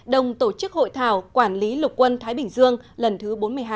đồng tổ chức hội thảo quản lý lục quân thái bình dương lần thứ bốn mươi hai